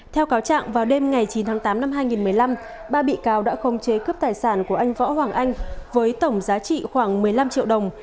theo cáo trạng vào đêm ngày chín tháng tám năm hai nghìn một mươi năm ba bị cáo đã không chế cướp tài sản của anh võ hoàng anh với tổng giá trị khoảng một mươi năm triệu đồng